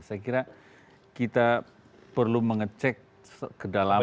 saya kira kita perlu mengecek kedalaman